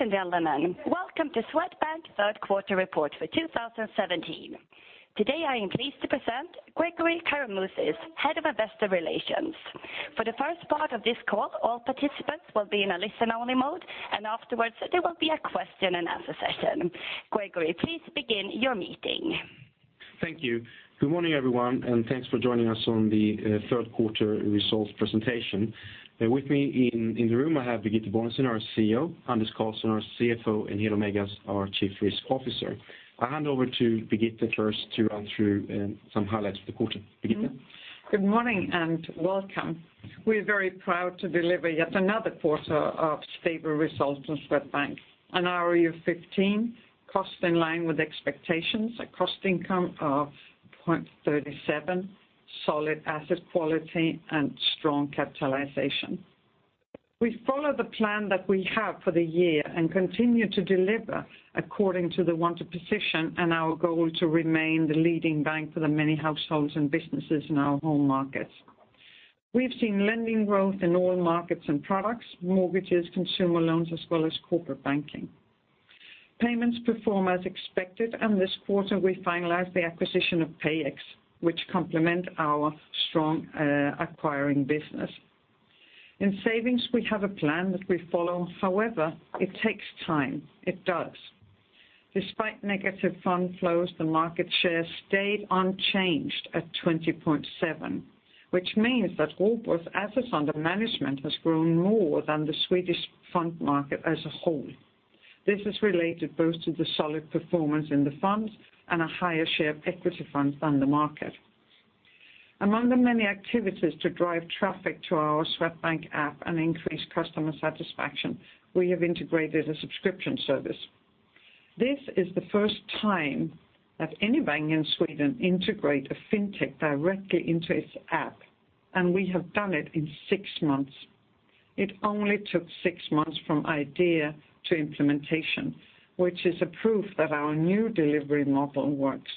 Ladies and gentlemen, welcome to Swedbank's third quarter report for 2017. Today I am pleased to present Gregori Karamouzis, Head of Investor Relations. For the first part of this call, all participants will be in a listen-only mode, and afterwards there will be a question and answer session. Gregori, please begin your meeting. Thank you. Good morning, everyone, and thanks for joining us on the third quarter results presentation. With me in the room, I have Birgitte Bonnesen, our CEO, Anders Karlsson, our CFO, and Helo Meigas, our Chief Risk Officer. I hand over to Birgitte first to run through some highlights for the quarter. Birgitte? Good morning, and welcome. We're very proud to deliver yet another quarter of stable results in Swedbank. An ROE of 15, cost in line with expectations, a cost income of 0.37, solid asset quality, and strong capitalization. We follow the plan that we have for the year and continue to deliver according to the wanted position and our goal to remain the leading bank for the many households and businesses in our home markets. We've seen lending growth in all markets and products, mortgages, consumer loans, as well as corporate banking. Payments perform as expected, and this quarter we finalized the acquisition of PayEx, which complement our strong, acquiring business. In savings, we have a plan that we follow. However, it takes time. It does. Despite negative fund flows, the market share stayed unchanged at 20.7, which means that Robur's assets under management has grown more than the Swedish fund market as a whole. This is related both to the solid performance in the funds and a higher share of equity funds than the market. Among the many activities to drive traffic to our Swedbank app and increase customer satisfaction, we have integrated a subscription service. This is the first time that any bank in Sweden integrate a fintech directly into its app, and we have done it in six months. It only took six months from idea to implementation, which is a proof that our new delivery model works.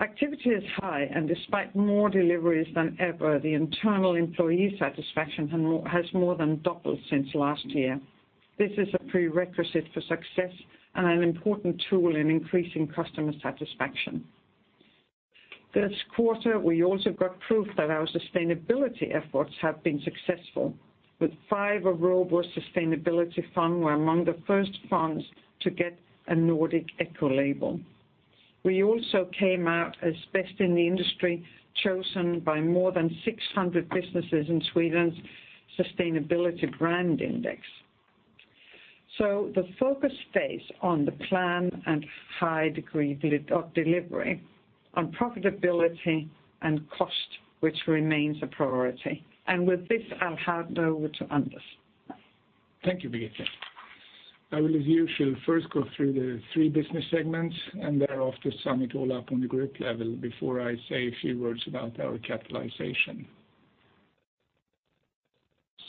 Activity is high, and despite more deliveries than ever, the internal employee satisfaction has more than doubled since last year. This is a prerequisite for success and an important tool in increasing customer satisfaction. This quarter, we also got proof that our sustainability efforts have been successful, with 5 of Robur's sustainability fund were among the first funds to get a Nordic Ecolabel. We also came out as best in the industry, chosen by more than 600 businesses in Sustainable Brand Index. So the focus stays on the plan and high degree of delivery, on profitability and cost, which remains a priority. And with this, I'll hand over to Anders. Thank you, Birgitte. I will, as usual, first go through the three business segments and thereafter sum it all up on the group level before I say a few words about our capitalization.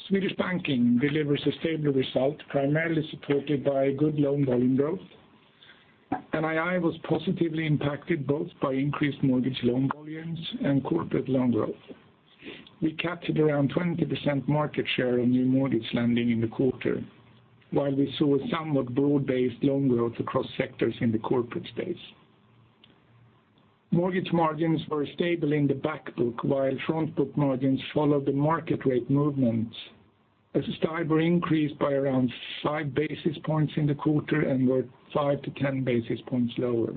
Swedish Banking delivers a stable result, primarily supported by good loan volume growth. NII was positively impacted both by increased mortgage loan volumes and corporate loan growth. We captured around 20% market share on new mortgage lending in the quarter, while we saw a somewhat broad-based loan growth across sectors in the corporate space. Mortgage margins were stable in the back book, while front book margins followed the market rate movements, as STIBOR increased by around 5 basis points in the quarter and were 5-10 basis points lower.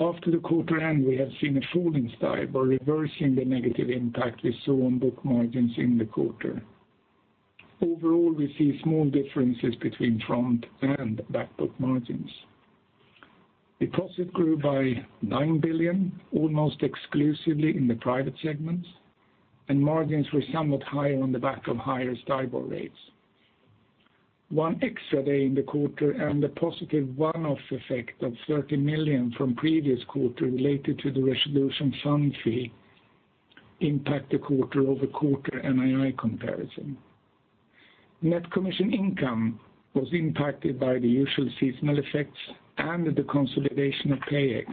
After the quarter end, we have seen a falling STIBOR, reversing the negative impact we saw on book margins in the quarter. Overall, we see small differences between front and back book margins. Deposits grew by 9 billion, almost exclusively in the private segments, and margins were somewhat higher on the back of higher STIBOR rates. 1 extra day in the quarter and the positive one-off effect of 30 million from previous quarter related to the resolution fund fee impact the quarter-over-quarter NII comparison. Net commission income was impacted by the usual seasonal effects and the consolidation of PayEx.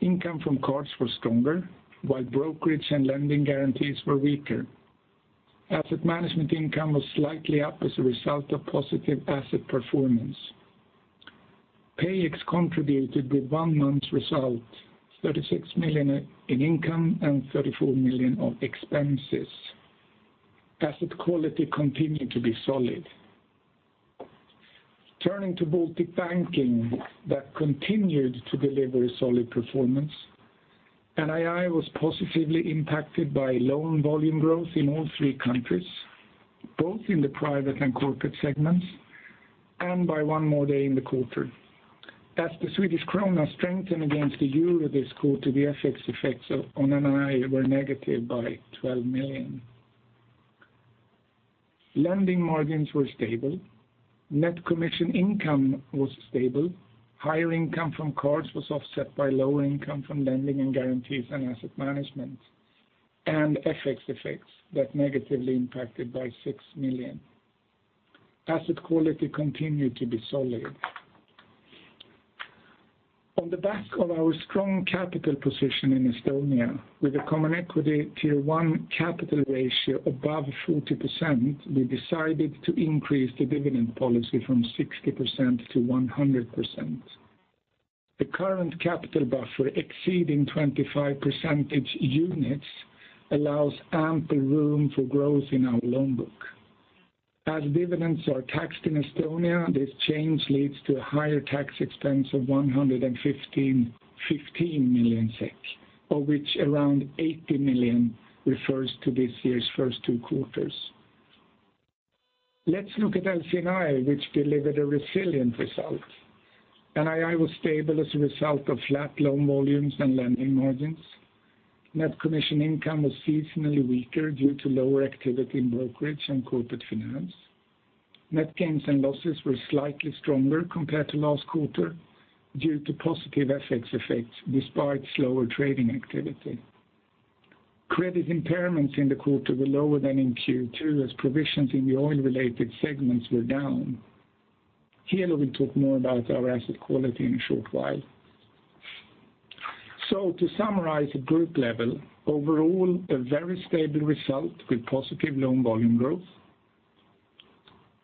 Income from cards was stronger, while brokerage and lending guarantees were weaker. Asset management income was slightly up as a result of positive asset performance. PayEx contributed with 1 month's result, 36 million in income and 34 million of expenses. Asset quality continued to be solid. Turning to Baltic Banking, that continued to deliver a solid performance. NII was positively impacted by loan volume growth in all three countries, both in the private and corporate segments, and by one more day in the quarter. As the Swedish krona strengthened against the euro this quarter, the FX effects on NII were negative by 12 million. Lending margins were stable. Net commission income was stable. Higher income from cards was offset by lower income from lending and guarantees and asset management, and FX effects that negatively impacted by 6 million. Asset quality continued to be solid. On the back of our strong capital position in Estonia, with a Common Equity Tier 1 capital ratio above 40%, we decided to increase the dividend policy from 60% to 100%. The current capital buffer exceeding 25 percentage units allows ample room for growth in our loan book. As dividends are taxed in Estonia, this change leads to a higher tax expense of 115 million SEK, of which around 80 million refers to this year's first two quarters. Let's look at LCI, which delivered a resilient result. NII was stable as a result of flat loan volumes and lending margins. Net commission income was seasonally weaker due to lower activity in brokerage and corporate finance. Net gains and losses were slightly stronger compared to last quarter due to positive FX effects, despite slower trading activity. Credit impairments in the quarter were lower than in Q2, as provisions in the oil-related segments were down. Here, we'll talk more about our asset quality in a short while. So to summarize the group level, overall, a very stable result with positive loan volume growth.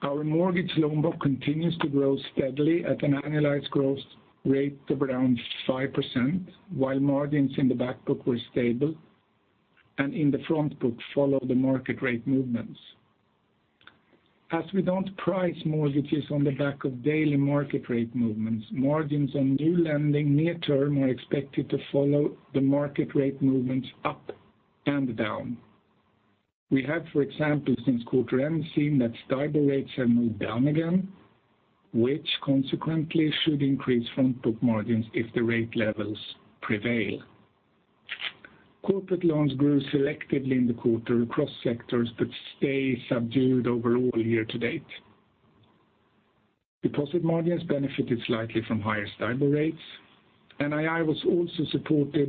Our mortgage loan book continues to grow steadily at an annualized growth rate of around 5%, while margins in the back book were stable, and in the front book follow the market rate movements. As we don't price mortgages on the back of daily market rate movements, margins on new lending near term are expected to follow the market rate movements up and down. We have, for example, since quarter end, seen that STIBOR rates have moved down again, which consequently should increase front book margins if the rate levels prevail. Corporate loans grew selectively in the quarter across sectors, but stay subdued overall year to date. Deposit margins benefited slightly from higher STIBOR rates, and NII was also supported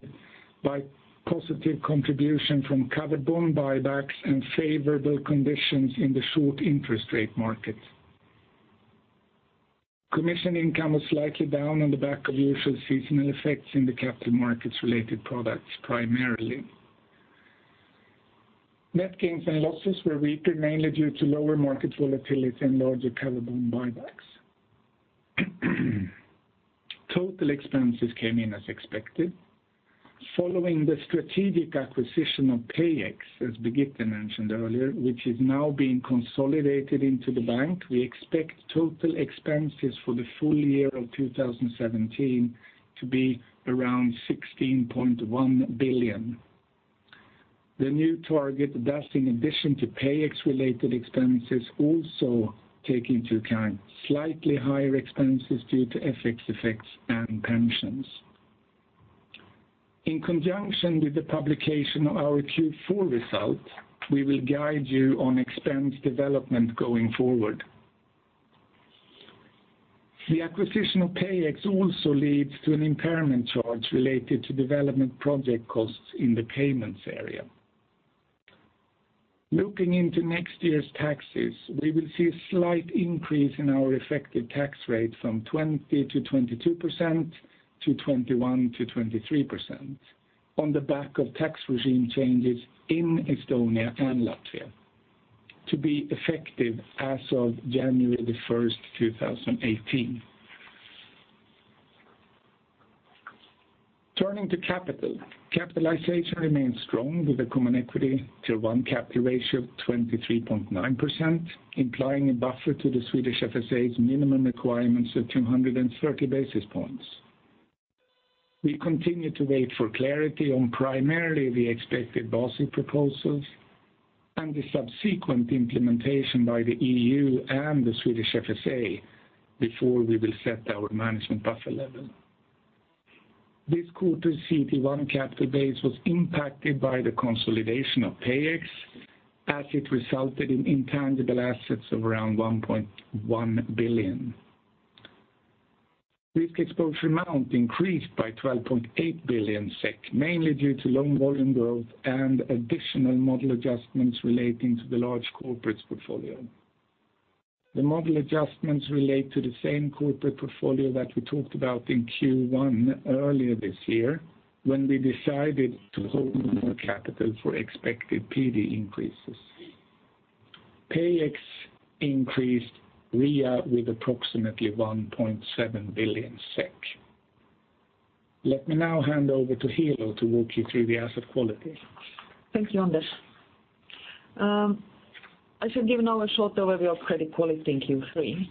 by positive contribution from covered bond buybacks and favorable conditions in the short interest rate markets. Commission income was slightly down on the back of usual seasonal effects in the capital markets related products, primarily. Net gains and losses were weaker, mainly due to lower market volatility and larger covered bond buybacks. Total expenses came in as expected. Following the strategic acquisition of PayEx, as Birgitte mentioned earlier, which is now being consolidated into the bank, we expect total expenses for the full year of 2017 to be around 16.1 billion. The new target, that's in addition to PayEx-related expenses, also take into account slightly higher expenses due to FX effects and pensions. In conjunction with the publication of our Q4 results, we will guide you on expense development going forward. The acquisition of PayEx also leads to an impairment charge related to development project costs in the payments area. Looking into next year's taxes, we will see a slight increase in our effective tax rate from 20%-22% to 21%-23% on the back of tax regime changes in Estonia and Latvia, to be effective as of January 1, 2018. Turning to capital. Capitalization remains strong, with a Common Equity Tier 1 capital ratio of 23.9%, implying a buffer to the Swedish FSA's minimum requirements of 230 basis points. We continue to wait for clarity on primarily the expected Basel proposals and the subsequent implementation by the EU and the Swedish FSA before we will set our management buffer level. This quarter, CET1 capital base was impacted by the consolidation of PayEx, as it resulted in intangible assets of around 1.1 billion. Risk exposure amount increased by 12.8 billion SEK, mainly due to loan volume growth and additional model adjustments relating to the large corporates portfolio. The model adjustments relate to the same corporate portfolio that we talked about in Q1 earlier this year, when we decided to hold more capital for expected PD increases. PayEx increased REA with approximately 1.7 billion SEK. Let me now hand over to Helo to walk you through the asset quality. Thank you, Anders. I should give now a short overview of credit quality in Q3.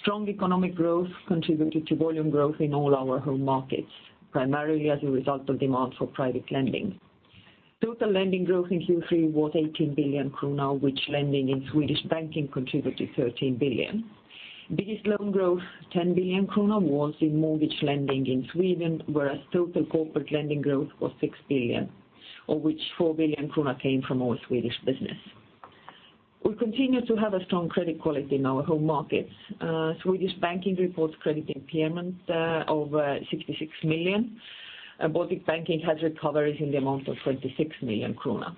Strong economic growth contributed to volume growth in all our home markets, primarily as a result of demand for private lending. Total lending growth in Q3 was 18 billion krona, which lending in Swedish Banking contributed 13 billion. Biggest loan growth, 10 billion krona, was in mortgage lending in Sweden, whereas total corporate lending growth was 6 billion, of which 4 billion krona came from our Swedish business. We continue to have a strong credit quality in our home markets. Swedish Banking reports credit impairment of 66 million, and Baltic Banking has recoveries in the amount of 26 million krona.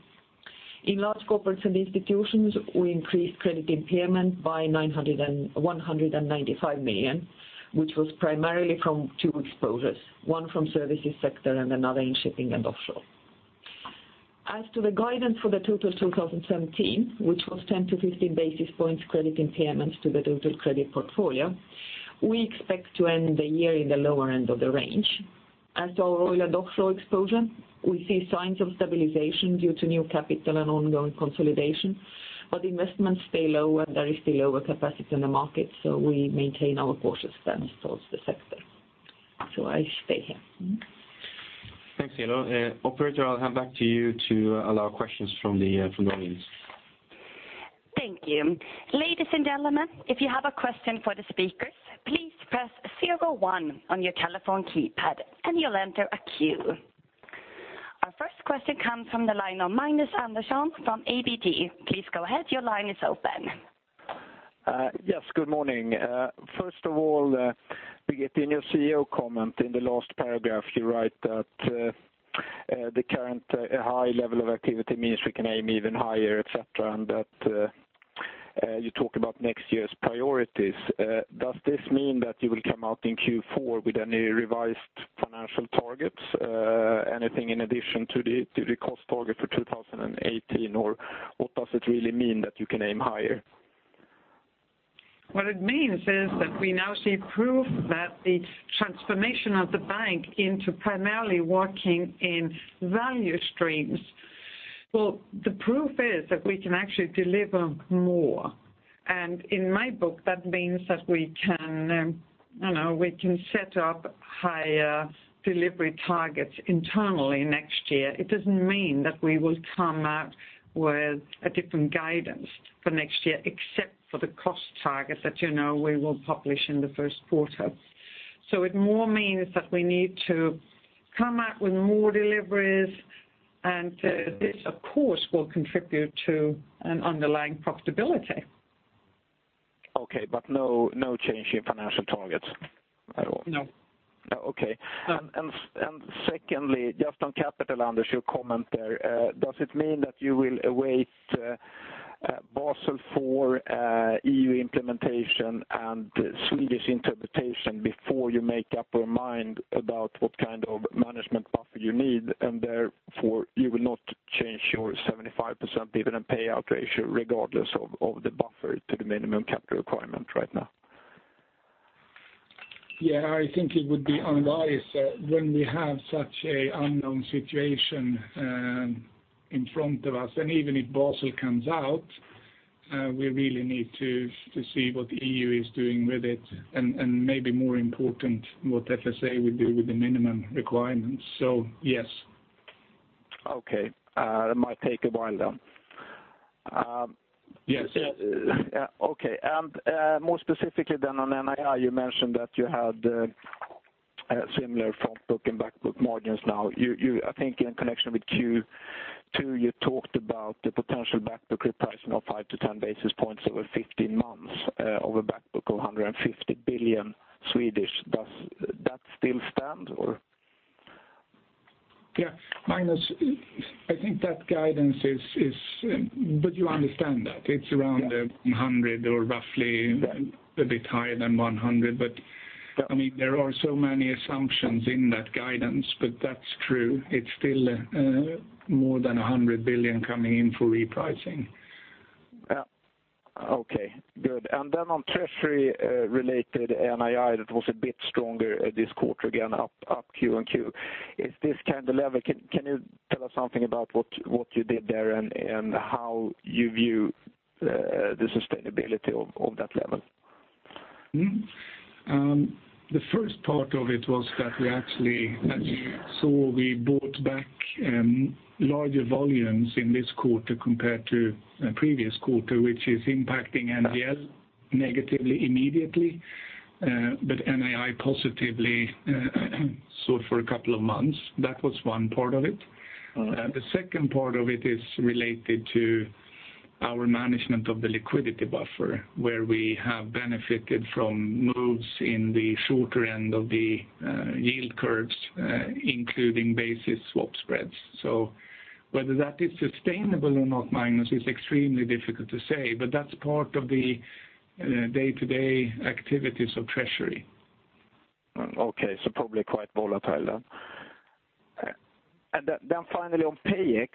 In Large Corporates and Institutions, we increased credit impairment by 995 million, which was primarily from two exposures, one from services sector and another in shipping and offshore. As to the guidance for the total 2017, which was 10-15 basis points credit impairments to the total credit portfolio, we expect to end the year in the lower end of the range. As our oil and offshore exposure, we see signs of stabilization due to new capital and ongoing consolidation, but investments stay low and there is still lower capacity in the market, so we maintain our cautious stance towards the sector. So I stay here. Thanks, Helo. Operator, I'll hand back to you to allow questions from the, from the audience. Thank you. Ladies and gentlemen, if you have a question for the speakers, please press zero one on your telephone keypad, and you'll enter a queue. Our first question comes from the line of Magnus Andersson from ABG. Please go ahead, your line is open. Yes, good morning. First of all, Birgitte, in your CEO comment, in the last paragraph, you write that the current high level of activity means we can aim even higher, et cetera, and that you talk about next year's priorities. Does this mean that you will come out in Q4 with any revised financial targets? Anything in addition to the cost target for 2018, or what does it really mean that you can aim higher? What it means is that we now see proof that the transformation of the bank into primarily working in value streams. Well, the proof is that we can actually deliver more, and in my book, that means that we can, you know, we can set up higher delivery targets internally next year. It doesn't mean that we will come out with a different guidance for next year, except for the cost target that you know we will publish in the first quarter. So it more means that we need to come out with more deliveries, and this, of course, will contribute to an underlying profitability. Okay, but no, no change in financial targets at all? No. Oh, okay. No. Secondly, just on capital Anders, your comment there, does it mean that you will await Basel IV, EU implementation and Swedish interpretation before you make up your mind about what kind of management buffer you need, and therefore you will not change your 75% dividend payout ratio regardless of the buffer to the minimum capital requirement right now? Yeah, I think it would be unwise when we have such an unknown situation in front of us, and even if Basel comes out, we really need to see what the EU is doing with it, and maybe more important, what FSA will do with the minimum requirements. So yes. Okay. That might take a while then. Yes. Okay, more specifically then on NII, you mentioned that you had similar front book and back book margins now. You I think in connection with Q2, you talked about the potential back book repricing of 5-10 basis points over 15 months, over back book of 150 billion Swedish. Does that still stand, or? Yeah, Magnus, I think that guidance is, but you understand that it's around, Yeah. 100 or roughly a bit higher than 100. But, I mean, there are so many assumptions in that guidance, but that's true. It's still more than 100 billion coming in for repricing. Okay, good. And then on treasury related NII, that was a bit stronger this quarter, again, up Q-on-Q. Is this kind of level; can you tell us something about what you did there and how you view the sustainability of that level? Mm-hmm. The first part of it was that we actually, as you saw, we bought back larger volumes in this quarter compared to previous quarter, which is impacting NGL negatively, immediately, but NII positively, so for a couple of months. That was one part of it. Uh. The second part of it is related to our management of the liquidity buffer, where we have benefited from moves in the shorter end of the yield curves, including basis swap spreads. So whether that is sustainable or not, Magnus, is extremely difficult to say, but that's part of the day-to-day activities of treasury. Okay, so probably quite volatile then. And then finally on PayEx,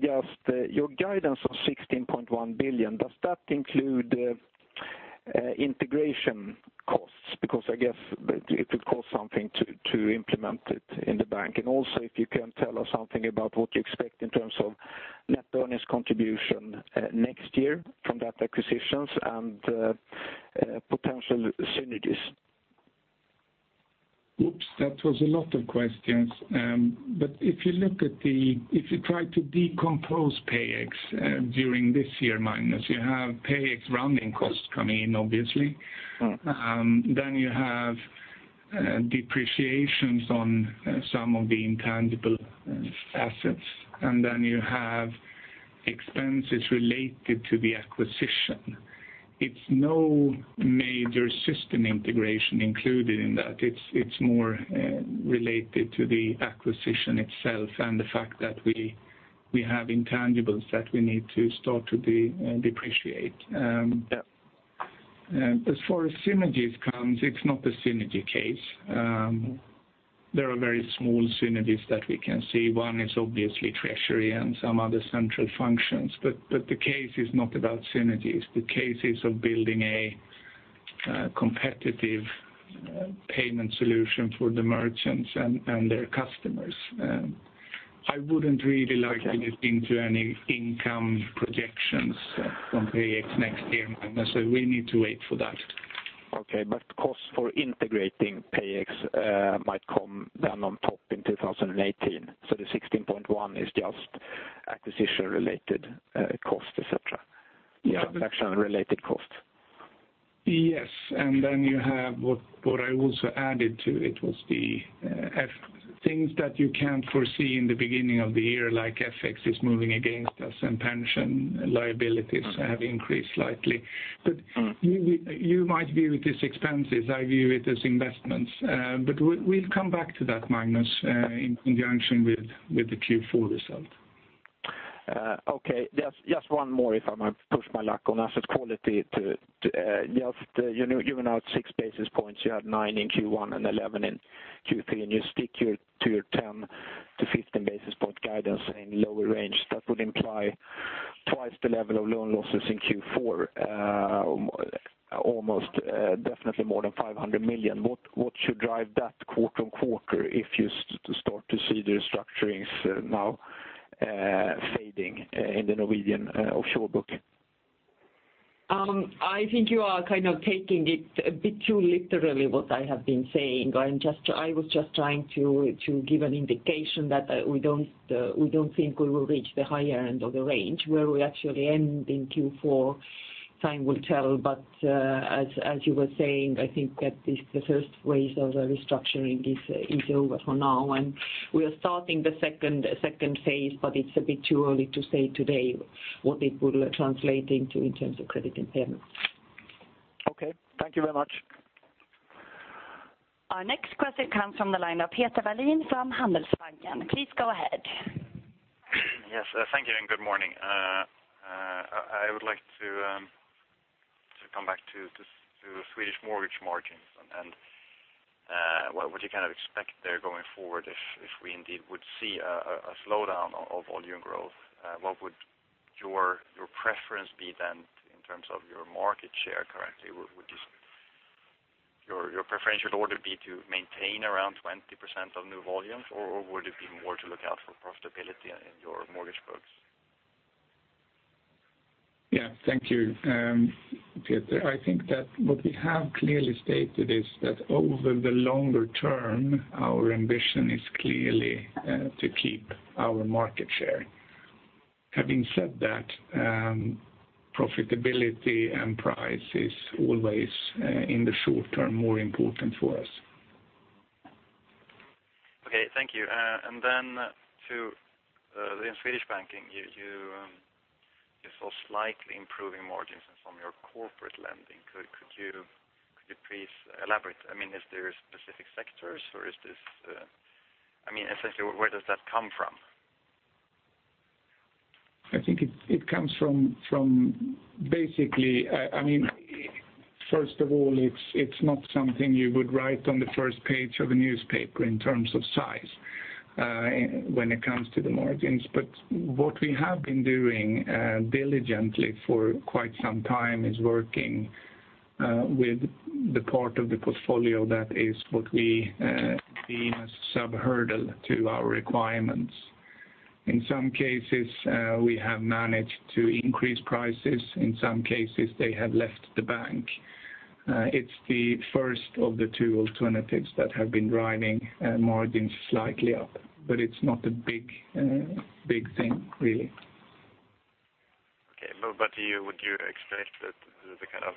just your guidance of 16.1 billion, does that include integration costs? Because I guess it would cost something to implement it in the bank. And also, if you can tell us something about what you expect in terms of net earnings contribution next year from that acquisitions and potential synergies. Oops, that was a lot of questions. But if you try to decompose PayEx during this year, Magnus, you have PayEx running costs coming in, obviously. Mm-hmm. Then you have depreciations on some of the intangible assets, and then you have expenses related to the acquisition. It's no major system integration included in that. It's more related to the acquisition itself and the fact that we have intangibles that we need to start to depreciate. And as far as synergies comes, it's not a synergy case. There are very small synergies that we can see. One is obviously treasury and some other central functions, but the case is not about synergies. The case is of building a competitive payment solution for the merchants and their customers. I wouldn't really like to get into any income projections from PayEx next year, Magnus, so we need to wait for that. Okay, but costs for integrating PayEx might come down on top in 2018. So the 16.1 is just acquisition-related costs, et cetera? Yeah. Transaction-related costs. Yes, and then you have what I also added to it was the things that you can't foresee in the beginning of the year, like FX is moving against us, and pension liabilities have increased slightly. But you might view it as expenses, I view it as investments. But we'll come back to that, Magnus, in conjunction with the Q4 result. Okay. Just one more, if I might push my luck on asset quality to just, you know, you went out 6 basis points. You had 9 in Q1 and 11 in Q3, and you stick to your 10-15 basis point guidance in lower range. That would imply twice the level of loan losses in Q4, almost definitely more than 500 million. What should drive that quarter-on-quarter if you start to see the restructurings now fading in the Norwegian offshore booking? I think you are kind of taking it a bit too literally, what I have been saying. I'm just, I was just trying to give an indication that we don't think we will reach the higher end of the range. Where we actually end in Q4, time will tell. But, as you were saying, I think that this, the first wave of the restructuring is over for now, and we are starting the second phase, but it's a bit too early to say today what it will translate into in terms of credit impairment. Okay. Thank you very much. Our next question comes from the line of Peter Wallin from Handelsbanken. Please go ahead. Yes, thank you, and good morning. I would like to come back to this, to Swedish mortgage margins, and what would you kind of expect there going forward if we indeed would see a slowdown of volume growth? What would your preference be then in terms of your market share currently? Would your preferential order be to maintain around 20% of new volumes, or would it be more to look out for profitability in your mortgage books? Yeah. Thank you, Peter. I think that what we have clearly stated is that over the longer term, our ambition is clearly to keep our market share. Having said that, profitability and price is always in the short term, more important for us. Okay. Thank you. And then, in Swedish Banking, you saw slightly improving margins from your corporate lending. Could you please elaborate? I mean, is there specific sectors, or is this... I mean, essentially, where does that come from? I think it comes from basically, I mean, first of all, it's not something you would write on the first page of a newspaper in terms of size, when it comes to the margins. But what we have been doing diligently for quite some time is working with the part of the portfolio that is what we deem as subhurdle to our requirements. In some cases, we have managed to increase prices. In some cases, they have left the bank. It's the first of the two alternatives that have been driving margins slightly up, but it's not a big big thing, really. Okay. But you, would you expect that the kind of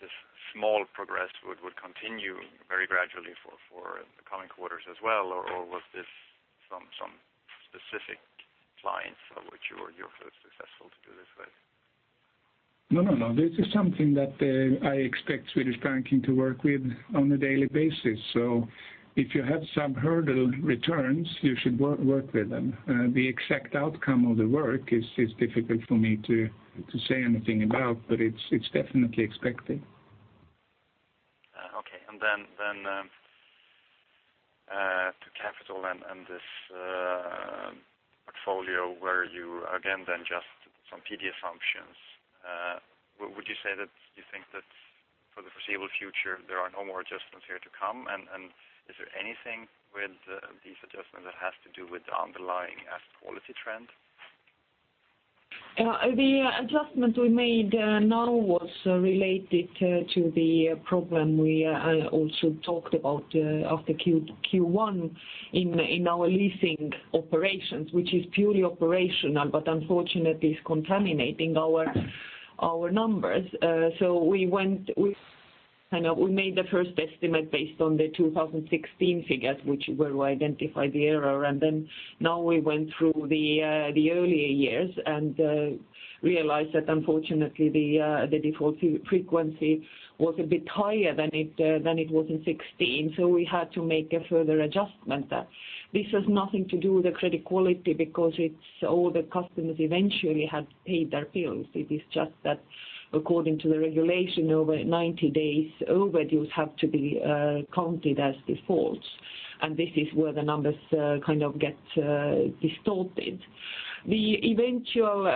this small progress would continue very gradually for the coming quarters as well, or was this some specific clients of which you were successful to do this with? No, no, no. This is something that I expect Swedish Banking to work with on a daily basis. So if you have subhurdle returns, you should work with them. The exact outcome of the work is difficult for me to say anything about, but it's definitely expected. Okay. And then to capital and this portfolio where you again then just some PD assumptions. Would you say that you think that for the foreseeable future, there are no more adjustments here to come? And is there anything with these adjustments that has to do with the underlying asset quality trend? The adjustment we made now was related to the problem we also talked about after Q1 in our leasing operations, which is purely operational, but unfortunately, it's contaminating our numbers. So I know we made the first estimate based on the 2016 figures, which were where we identified the error. And then now we went through the earlier years and realized that unfortunately, the default frequency was a bit higher than it was in 2016. So we had to make a further adjustment. This has nothing to do with the credit quality, because it's all the customers eventually have paid their bills. It is just that according to the regulation, over 90 days overdue have to be counted as defaults, and this is where the numbers kind of get distorted. The eventual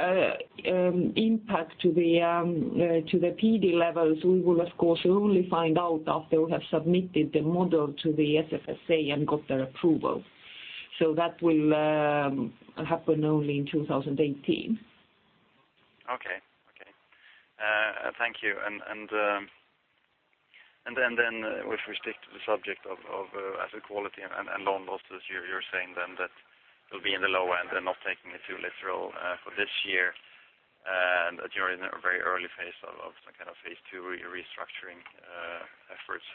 impact to the PD levels, we will, of course, only find out after we have submitted the model to the Swedish FSA and got their approval. So that will happen only in 2018. Okay. Thank you. And then if we stick to the subject of asset quality and loan losses, you're saying then that it'll be in the low end and not taking it too literal for this year, and during the very early phase of some kind of phase two restructuring efforts.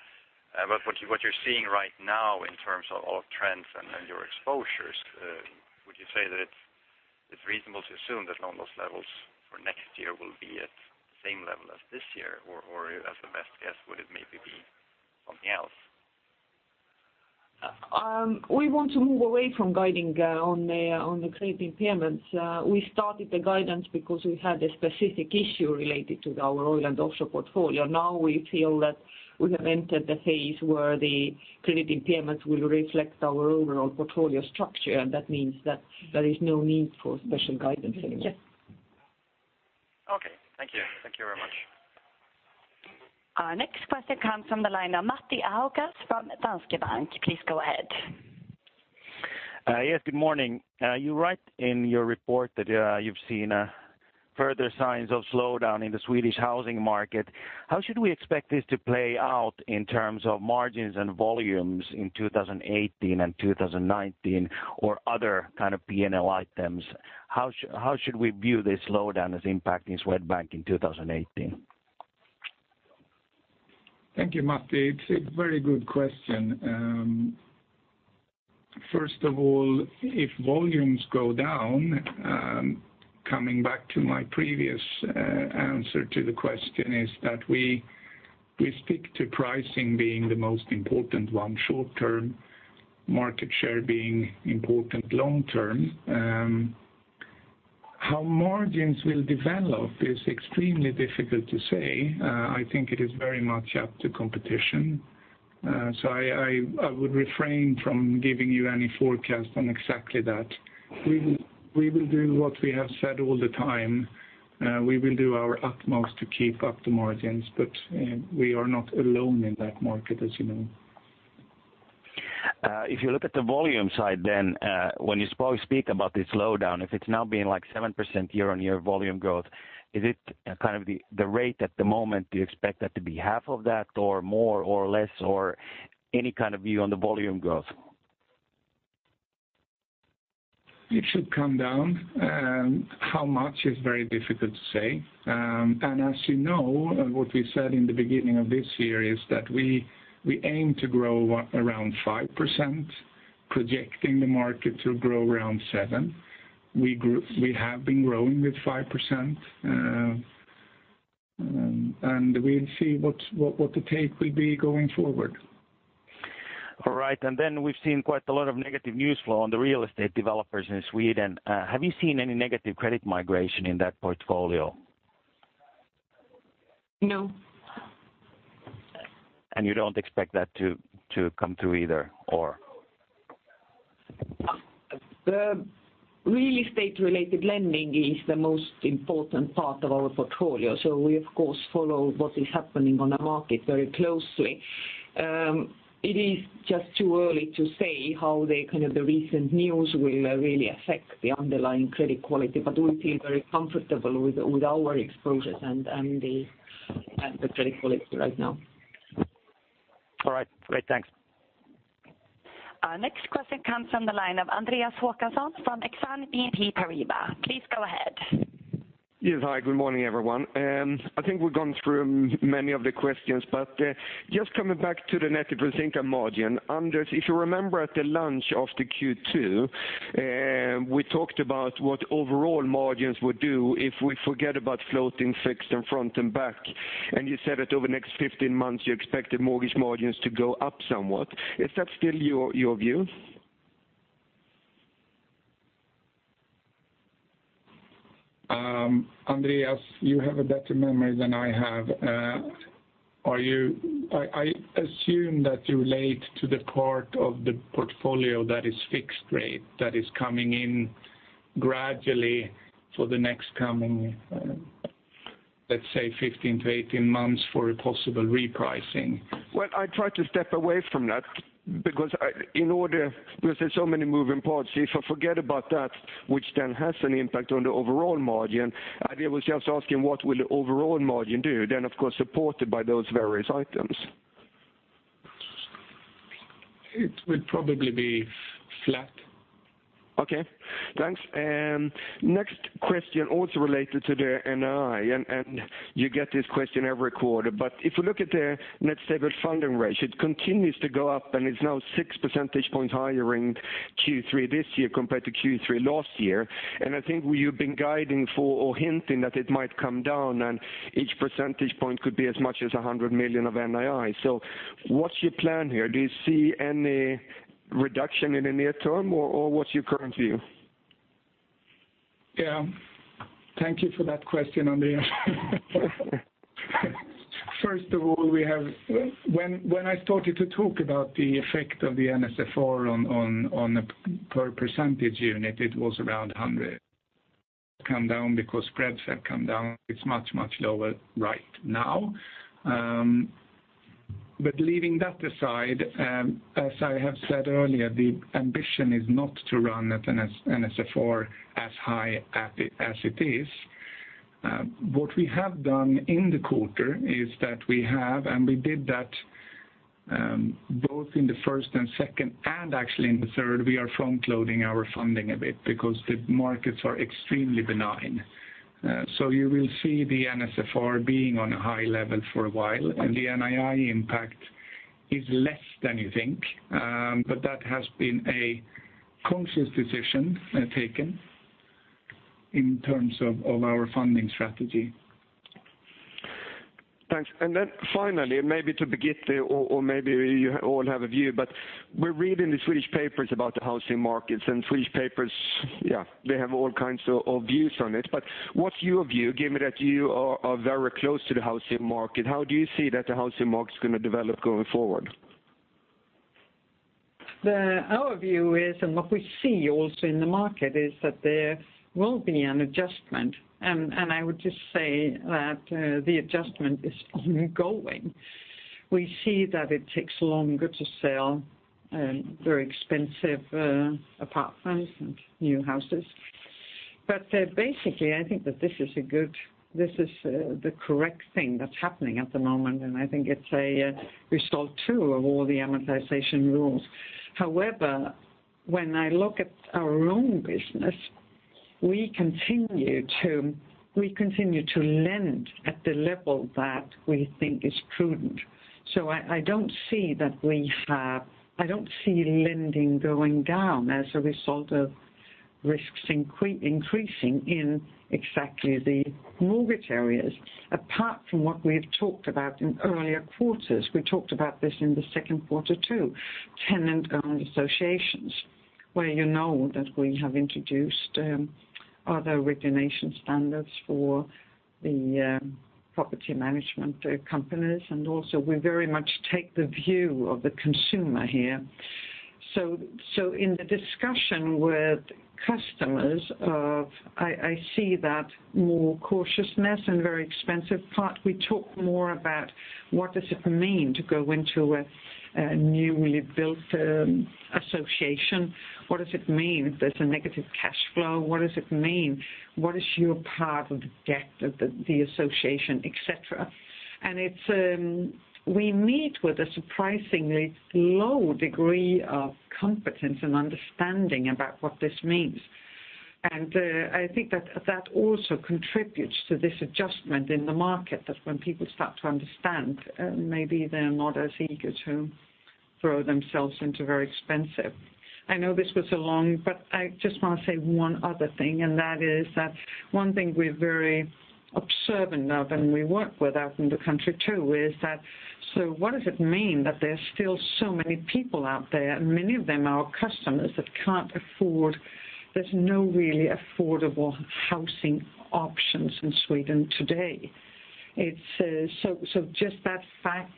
But what you're seeing right now in terms of trends and your exposures, would you say that it's reasonable to assume that loan loss levels for next year will be at the same level as this year? Or as the best guess, would it maybe be something else? We want to move away from guiding on the credit impairments. We started the guidance because we had a specific issue related to our oil and offshore portfolio. Now, we feel that we have entered the phase where the credit impairments will reflect our overall portfolio structure, and that means that there is no need for special guidance anymore. Okay, thank you. Thank you very much. Our next question comes from the line of Matti Ahokas from Danske Bank. Please go ahead. Yes, good morning. You write in your report that you've seen further signs of slowdown in the Swedish housing market. How should we expect this to play out in terms of margins and volumes in 2018 and 2019, or other kind of PNL items? How should we view this slowdown as impacting Swedbank in 2018? Thank you, Matti. It's a very good question. First of all, if volumes go down, coming back to my previous answer to the question, is that we, we stick to pricing being the most important one short term, market share being important long term. How margins will develop is extremely difficult to say. I think it is very much up to competition, so I would refrain from giving you any forecast on exactly that. We will, we will do what we have said all the time. We will do our utmost to keep up the margins, but we are not alone in that market, as you know. If you look at the volume side, then when you spoke about this slowdown, if it's now been like 7% year-on-year volume growth, is it kind of the rate at the moment? Do you expect that to be half of that or more or less? Or any kind of view on the volume growth? It should come down. How much is very difficult to say. And as you know, what we said in the beginning of this year is that we aim to grow around 5%, projecting the market to grow around 7%. We have been growing with 5%, and we'll see what the take will be going forward. All right. And then we've seen quite a lot of negative news flow on the real estate developers in Sweden. Have you seen any negative credit migration in that portfolio? No. You don't expect that to, to come through either, or? The real estate-related lending is the most important part of our portfolio, so we, of course, follow what is happening on the market very closely. It is just too early to say how the kind of the recent news will really affect the underlying credit quality, but we feel very comfortable with our exposures and the credit quality right now. All right, great. Thanks. Our next question comes from the line of Andreas Håkansson from Exane BNP Paribas. Please go ahead. Yes, hi, good morning, everyone. I think we've gone through many of the questions, but just coming back to the net interest income margin. Anders, if you remember at the launch of the Q2, we talked about what overall margins would do if we forget about floating, fixed, and front, and back. And you said that over the next 15 months, you expected mortgage margins to go up somewhat. Is that still your, your view? Andreas, you have a better memory than I have. Are you... I assume that you relate to the part of the portfolio that is fixed rate, that is coming in gradually for the next coming, let's say, 15-18 months for a possible repricing. Well, I try to step away from that because in order, because there's so many moving parts. If I forget about that, which then has an impact on the overall margin, I was just asking, what will the overall margin do then, of course, supported by those various items?... It will probably be flat. Okay, thanks. And next question also related to the NII, and you get this question every quarter. But if you look at the Net Stable Funding Ratio, it continues to go up, and it's now 6 percentage points higher in Q3 this year compared to Q3 last year. And I think you've been guiding for or hinting that it might come down, and each percentage point could be as much as 100 million of NII. So what's your plan here? Do you see any reduction in the near term, or what's your current view? Yeah. Thank you for that question, Andreas. First of all, we have, when I started to talk about the effect of the NSFR on a per percentage unit, it was around 100. Come down because spreads have come down. It's much, much lower right now. But leaving that aside, as I have said earlier, the ambition is not to run at NSFR as high as it is. What we have done in the quarter is that we have, and we did that, both in the first and second, and actually in the third, we are front-loading our funding a bit because the markets are extremely benign. So you will see the NSFR being on a high level for a while, and the NII impact is less than you think. But that has been a conscious decision, taken in terms of our funding strategy. Thanks. And then finally, maybe to Birgitte or, or maybe you all have a view, but we're reading the Swedish papers about the housing markets, and Swedish papers, yeah, they have all kinds of, of views on it. But what's your view, given that you are, are very close to the housing market? How do you see that the housing market is gonna develop going forward? Our view is, and what we see also in the market, is that there will be an adjustment. And I would just say that the adjustment is ongoing. We see that it takes longer to sell very expensive apartments and new houses. But basically, I think that this is the correct thing that's happening at the moment, and I think it's a result, too, of all the amortization rules. However, when I look at our own business, we continue to, we continue to lend at the level that we think is prudent. So I, I don't see that we have, I don't see lending going down as a result of risks increasing in exactly the mortgage areas, apart from what we have talked about in earlier quarters. We talked about this in the second quarter, too. Tenant-owned associations, where you know that we have introduced other regulation standards for the property management companies, and also we very much take the view of the consumer here. So, so in the discussion with customers of, I see that more cautiousness and very expensive part, we talk more about what does it mean to go into a newly built association? What does it mean if there's a negative cash flow? What does it mean? What is your part of the debt of the association, et cetera? And it's we meet with a surprisingly low degree of competence and understanding about what this means. And I think that that also contributes to this adjustment in the market, that when people start to understand, maybe they're not as eager to throw themselves into very expensive. I know this was long, but I just want to say one other thing, and that is that one thing we're very observant of, and we work with out in the country, too, is that, so what does it mean that there are still so many people out there, and many of them are our customers, that can't afford... There's no really affordable housing options in Sweden today. It's... So, so just that fact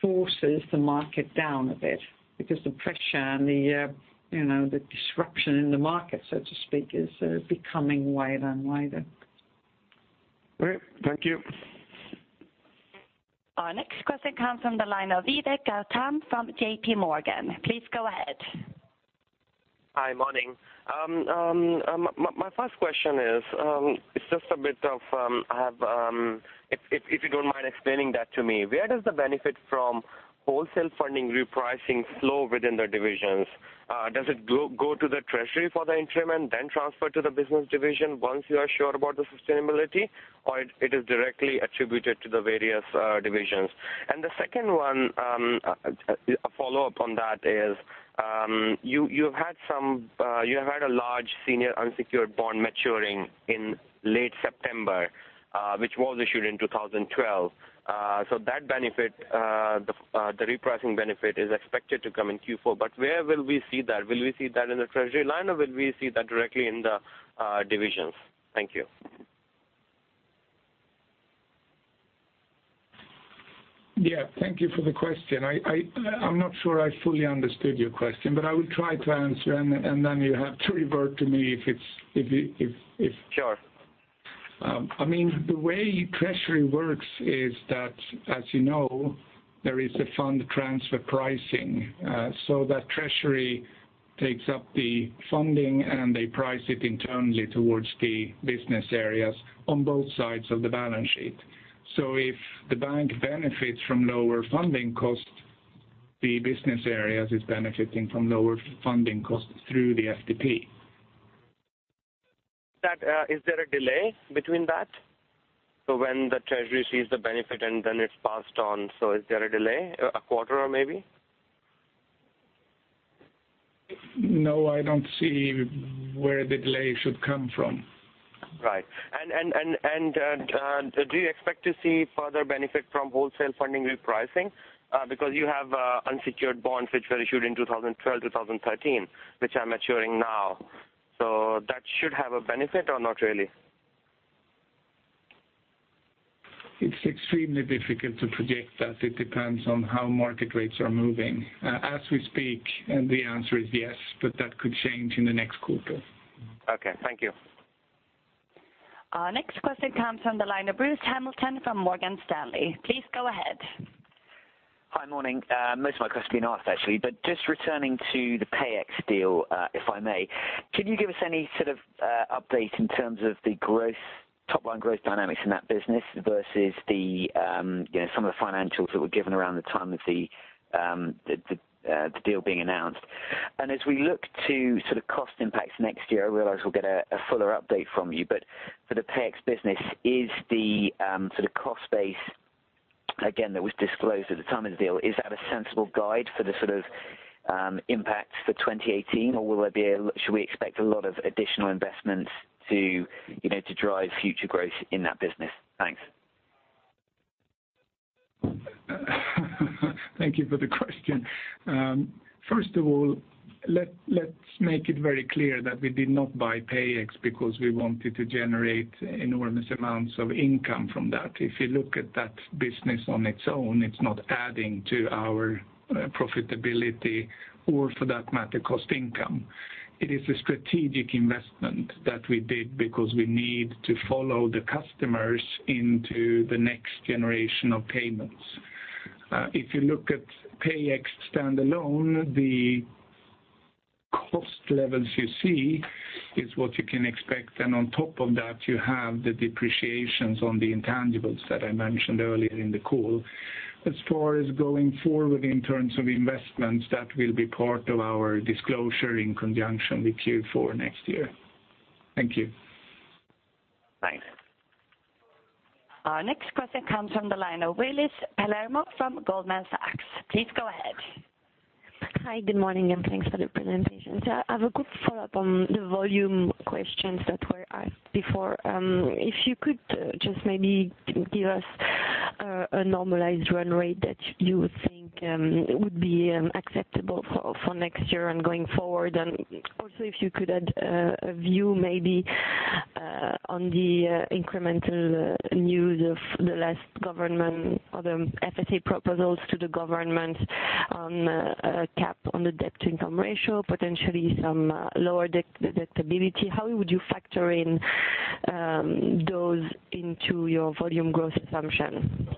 forces the market down a bit because the pressure and the, you know, the disruption in the market, so to speak, is becoming wider and wider. Great. Thank you. Our next question comes from the line of Vivek Gautam from JP Morgan. Please go ahead. Hi, morning. My first question is, it's just a bit of, if you don't mind explaining that to me, where does the benefit from wholesale funding repricing flow within the divisions? Does it go to the treasury for the interim and then transfer to the business division once you are sure about the sustainability, or it is directly attributed to the various divisions? And the second one, a follow-up on that is, you've had some, you have had a large senior unsecured bond maturing in late September, which was issued in 2012. So that benefit, the repricing benefit is expected to come in Q4. But where will we see that? Will we see that in the treasury line, or will we see that directly in the divisions? Thank you. Yeah, thank you for the question. I’m not sure I fully understood your question, but I will try to answer, and then you have to revert to me if it’s. Sure. I mean, the way treasury works is that, as you know, there is a fund transfer pricing, so that treasury takes up the funding, and they price it internally towards the business areas on both sides of the balance sheet. So if the bank benefits from lower funding costs, the business areas is benefiting from lower funding costs through the FTP. That, is there a delay between that? So when the treasury sees the benefit, and then it's passed on, so is there a delay, a quarter or maybe? No, I don't see where the delay should come from. Right. Do you expect to see further benefit from wholesale funding repricing? Because you have unsecured bonds which were issued in 2012, 2013, which are maturing now. So that should have a benefit or not really? It's extremely difficult to predict that. It depends on how market rates are moving. As we speak, the answer is yes, but that could change in the next quarter. Okay. Thank you. Our next question comes from the line of Bruce Hamilton from Morgan Stanley. Please go ahead. Hi, morning. Most of my question been asked actually, but just returning to the PayEx deal, if I may. Can you give us any sort of update in terms of the growth, top line growth dynamics in that business versus the, you know, some of the financials that were given around the time of the deal being announced? And as we look to sort of cost impacts next year, I realize we'll get a fuller update from you, but for the PayEx business, is the sort of cost base, again, that was disclosed at the time of the deal, is that a sensible guide for the sort of impacts for 2018? Or will there be a—should we expect a lot of additional investments to, you know, to drive future growth in that business? Thanks. Thank you for the question. First of all, let's make it very clear that we did not buy PayEx because we wanted to generate enormous amounts of income from that. If you look at that business on its own, it's not adding to our profitability or, for that matter, cost income. It is a strategic investment that we did because we need to follow the customers into the next generation of payments. If you look at PayEx standalone, the cost levels you see is what you can expect, and on top of that, you have the depreciations on the intangibles that I mentioned earlier in the call. As far as going forward in terms of investments, that will be part of our disclosure in conjunction with Q4 next year. Thank you. Thanks. Our next question comes from the line of Willis Palermo from Goldman Sachs. Please go ahead. Hi, good morning, and thanks for the presentation. I have a quick follow-up on the volume questions that were asked before. If you could just maybe give us a normalized run rate that you would think would be acceptable for next year and going forward. And also, if you could add a view maybe on the incremental news of the last government or the FSA proposals to the government on a cap on the debt-to-income ratio, potentially some lower debt, debt ability. How would you factor in those into your volume growth assumption?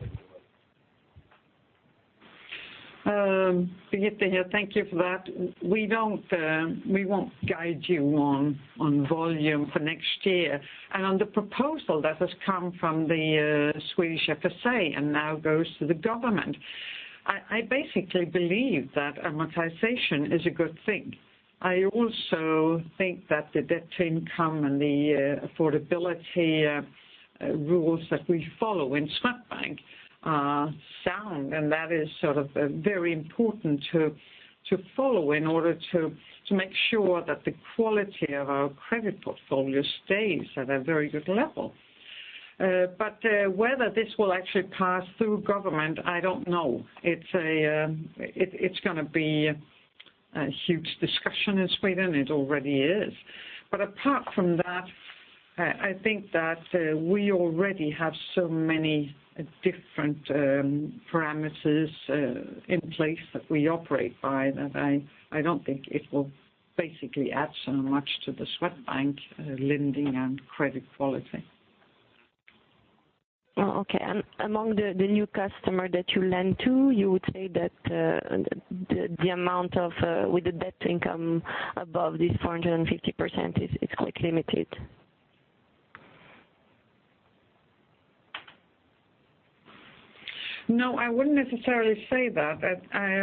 Birgitte here. Thank you for that. We don't, we won't guide you on, on volume for next year. And on the proposal that has come from the, Swedish FSA and now goes to the government, I basically believe that amortization is a good thing. I also think that the debt-to-income and the, affordability, rules that we follow in Swedbank are sound, and that is sort of very important to follow in order to make sure that the quality of our credit portfolio stays at a very good level. But, whether this will actually pass through government, I don't know. It's a, it's gonna be a huge discussion in Sweden. It already is. But apart from that, I think that we already have so many different parameters in place that we operate by, that I, I don't think it will basically add so much to the Swedbank lending and credit quality. Oh, okay. And among the new customer that you lend to, you would say that the amount of with the debt-to-income above this 450% is quite limited? No, I wouldn't necessarily say that.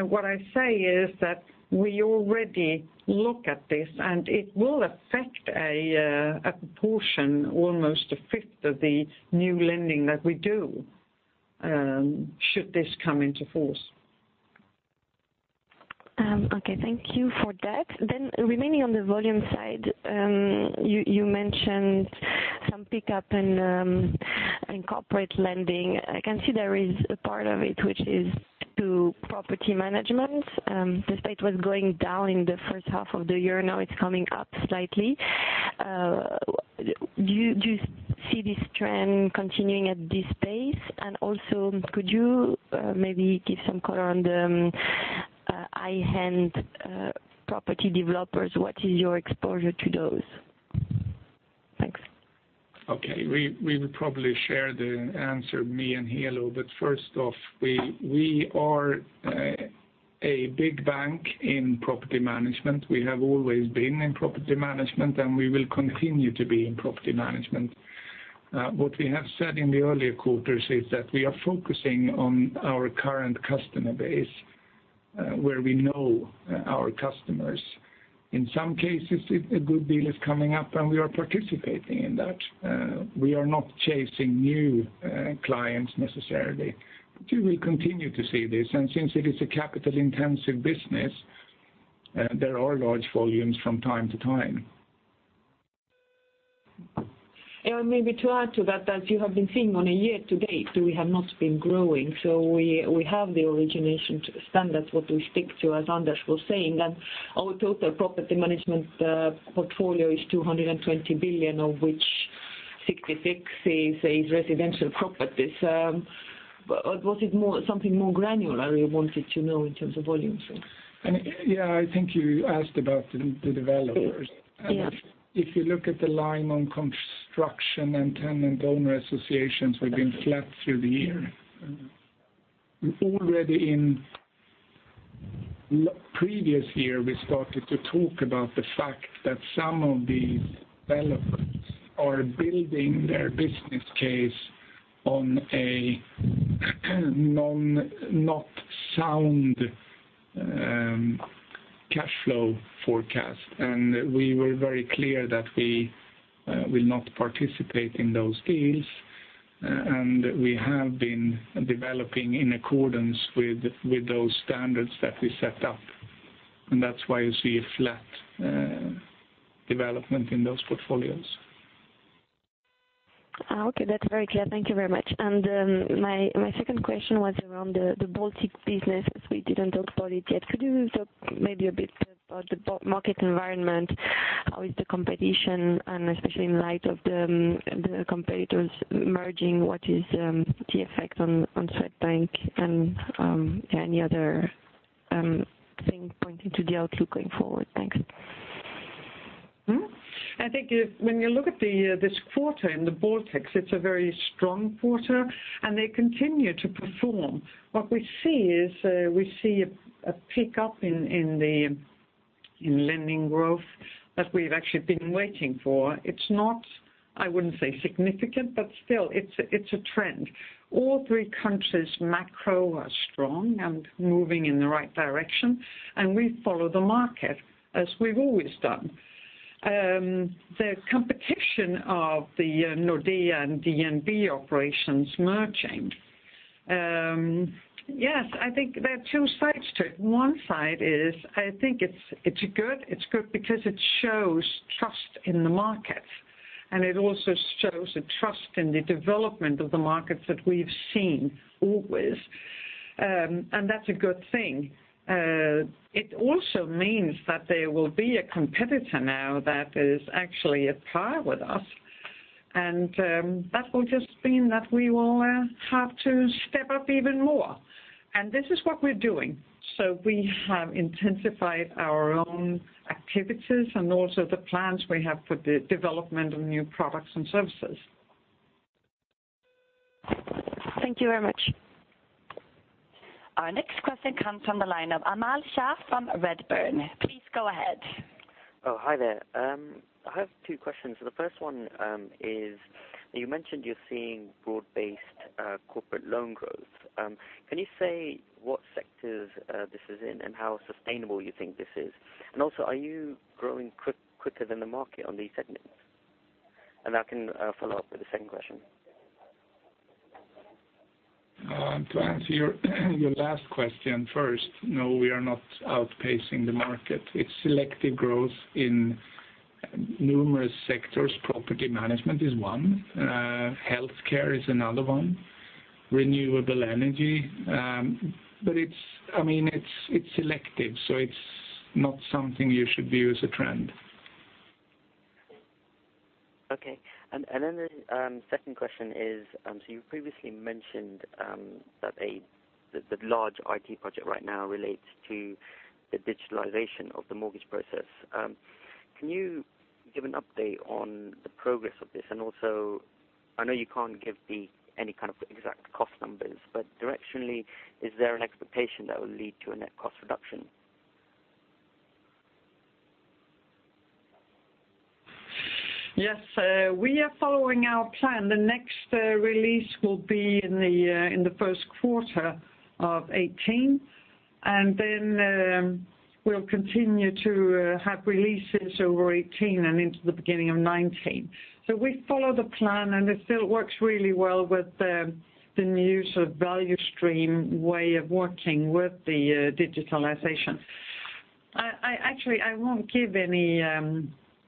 What I say is that we already look at this, and it will affect a proportion, almost a fifth of the new lending that we do, should this come into force. Okay, thank you for that. Then remaining on the volume side, you, you mentioned some pickup in, in corporate lending. I can see there is a part of it which is to property management. This debt was going down in the first half of the year, now it's coming up slightly. Do you, do you see this trend continuing at this pace? And also, could you maybe give some color on the high-end property developers? What is your exposure to those? Thanks. Okay, we will probably share the answer, me and Helo. But first off, we are a big bank in property management. We have always been in property management, and we will continue to be in property management. What we have said in the earlier quarters is that we are focusing on our current customer base, where we know our customers. In some cases, if a good deal is coming up, then we are participating in that. We are not chasing new clients necessarily. But we will continue to see this, and since it is a capital-intensive business, there are large volumes from time to time. And maybe to add to that, as you have been seeing on a year to date, we have not been growing, so we have the origination standards, what we stick to, as Anders was saying. And our total property management portfolio is 220 billion, of which 66 is residential properties. But was it more, something more granular you wanted to know in terms of volumes? Yeah, I think you asked about the developers. Yes. If you look at the line on construction and tenant owner associations, we've been flat through the year. Already in last year, we started to talk about the fact that some of these developers are building their business case on a not sound cash flow forecast. We were very clear that we will not participate in those deals, and we have been developing in accordance with with those standards that we set up, and that's why you see a flat development in those portfolios. Okay, that's very clear. Thank you very much. My second question was around the Baltic business, as we didn't talk about it yet. Could you talk maybe a bit about the Baltic market environment? How is the competition, and especially in light of the competitors merging, what is the effect on Swedbank and any other things pointing to the outlook going forward? Thanks. Mm-hmm. I think if, when you look at this quarter in the Baltics, it's a very strong quarter, and they continue to perform. What we see is, we see a pick-up in the lending growth that we've actually been waiting for. It's not, I wouldn't say significant, but still, it's a trend. All three countries' macro are strong and moving in the right direction, and we follow the market, as we've always done. The competition of the Nordea and DNB operations merging, yes, I think there are two sides to it. One side is, I think it's good. It's good because it shows trust in the market, and it also shows a trust in the development of the markets that we've seen always. And that's a good thing. It also means that there will be a competitor now that is actually at par with us, and that will just mean that we will have to step up even more, and this is what we're doing. So we have intensified our own activities and also the plans we have for the development of new products and services. Thank you very much. Our next question comes from the line of Omar Sheikh from Redburn. Please go ahead. Oh, hi there. I have two questions. So the first one is, you mentioned you're seeing broad-based corporate loan growth. Can you say what sectors this is in and how sustainable you think this is? And also, are you growing quicker than the market on these segments? And I can follow up with the second question. To answer your last question first, no, we are not outpacing the market. It's selective growth in numerous sectors. Property management is one, healthcare is another one, renewable energy. But I mean, it's selective, so it's not something you should view as a trend. Okay. And then the second question is, so you previously mentioned that the large IT project right now relates to the digitalization of the mortgage process. Can you give an update on the progress of this? And also, I know you can't give any kind of exact cost numbers, but directionally, is there an expectation that will lead to a net cost reduction? Yes, we are following our plan. The next release will be in the first quarter of 2018, and then we'll continue to have releases over 2018 and into the beginning of 2019. So we follow the plan, and it still works really well with the new sort of value stream way of working with the digitalization. I actually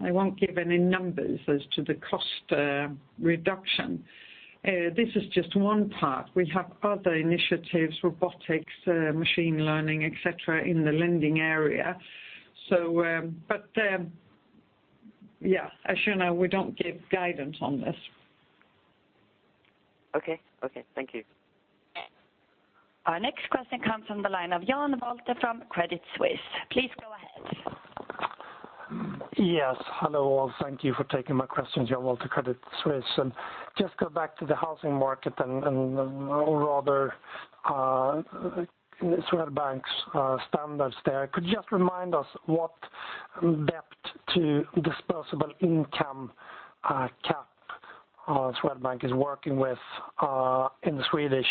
won't give any numbers as to the cost reduction. This is just one part. We have other initiatives, robotics, machine learning, et cetera, in the lending area. So, but, yeah, as you know, we don't give guidance on this. Okay. Okay, thank you. Our next question comes from the line of Jan Wolter from Credit Suisse. Please go ahead. Yes, hello all. Thank you for taking my questions. Jan Wolter, Credit Suisse. And just go back to the housing market, or rather, Swedbank's standards there. Could you just remind us what debt to disposable income cap Swedbank is working with in the Swedish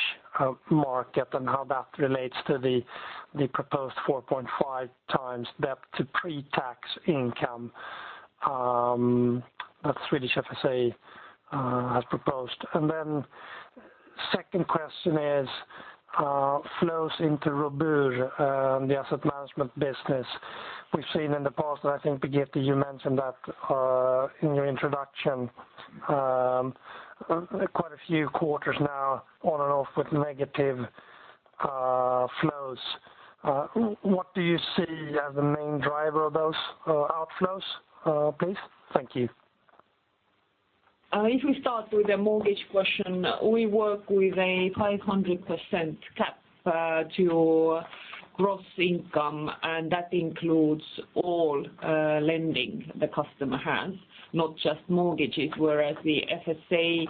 market, and how that relates to the proposed 4.5 times debt to pre-tax income that Swedish FSA has proposed? And then second question is, flows into Robur, the asset management business. We've seen in the past, and I think, Birgitte, you mentioned that in your introduction, quite a few quarters now, on and off with negative flows. What do you see as the main driver of those outflows, please? Thank you. If we start with the mortgage question, we work with a 500% cap to gross income, and that includes all lending the customer has, not just mortgages. Whereas the FSA